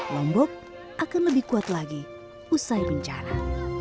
lombok akan lebih kuat lagi usai bencana